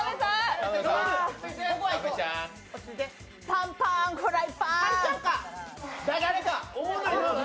パンパン、フライパン！